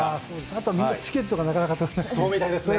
あとみんなチケットがなかなそうみたいですね。